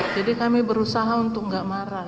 jadi kami berusaha untuk enggak marah